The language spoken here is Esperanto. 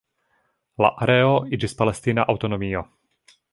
La areo iĝis palestina aŭtonomio.